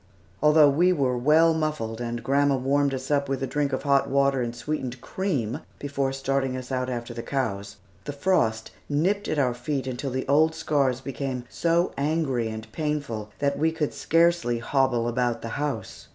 Although we were well muffled, and grandma warmed us up with a drink of hot water and sweetened cream before starting us out after the cows, the frost nipped at our feet until the old scars became so angry and painful that we could scarcely hobble about the house.